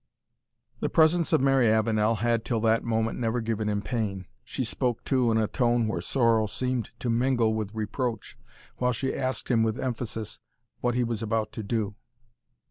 The presence of Mary Avenel had till that moment never given him pain. She spoke, too, in a tone where sorrow seemed to mingle with reproach, while she asked him with emphasis, "What he was about to do?"